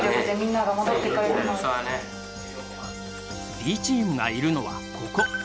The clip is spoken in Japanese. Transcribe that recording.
Ｂチームがいるのはここ。